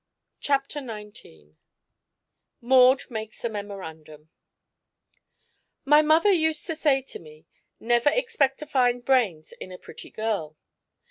CHAPTER XIX MAUD MAKES A MEMORANDUM My mother used to say to me: "Never expect to find brains in a pretty girl."